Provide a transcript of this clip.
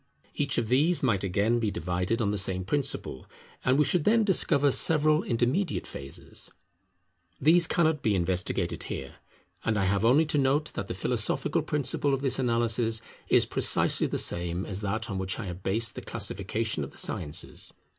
Each of these might again be divided on the same principle, and we should then discover several intermediate phases. These cannot be investigated here; and I have only to note that the philosophical principle of this analysis is precisely the same as that on which I have based the Classification of the Sciences.